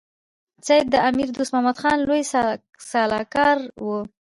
سید د امیر دوست محمد خان لوی سلاکار وو.